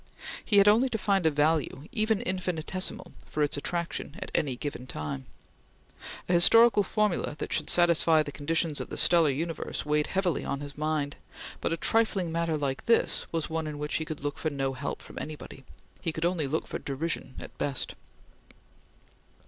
He had only to find a value, even infinitesimal, for its attraction at any given time. A historical formula that should satisfy the conditions of the stellar universe weighed heavily on his mind; but a trifling matter like this was one in which he could look for no help from anybody he could look only for derision at best.